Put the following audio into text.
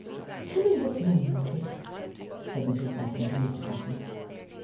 'Come and look in, Noddy!' said Mrs Boffin to Mr Boffin.